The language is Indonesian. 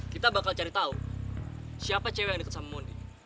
kita bakal cari tahu siapa cewek yang deket sama mundi